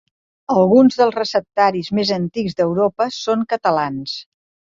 Alguns dels receptaris més antics d'Europa són catalans.